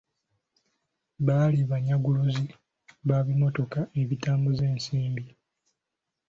Baali banyaguluzi ba bimotoka ebitambuza ensimbi.